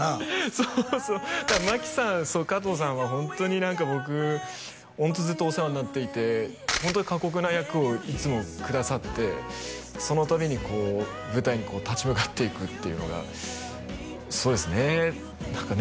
そうそう真規さんそう加藤さんはホントになんか僕ホントずっとお世話になっていてホントに過酷な役をいつもくださってそのたびにこう舞台にこう立ち向かっていくっていうのがそうですねなんかね